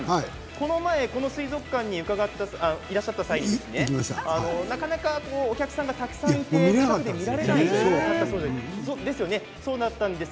この前この水族館にいらっしゃった際になかなかお客さんがたくさんいて見られなかったそうですね。